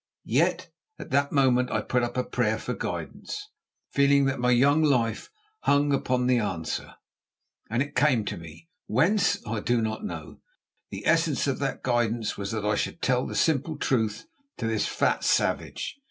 Yet at that moment I put up a prayer for guidance, feeling that my young life hung upon the answer, and it came to me—whence I do not know. The essence of that guidance was that I should tell the simple truth to this fat savage.